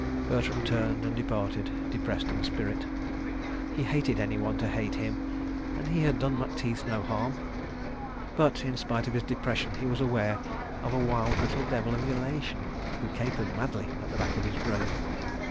Bertram turned and departed, depressed in spirit. He hated anyone to hate him, and he had done Macteith no harm. But in spite of his depression, he was aware of a wild little devil of elation who capered madly at the back of his brain.